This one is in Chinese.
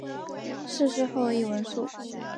逝世后谥文肃。